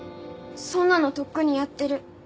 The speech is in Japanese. そんなのとっくにやってる。